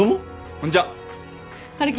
こんにちは。